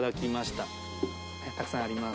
たくさんあります。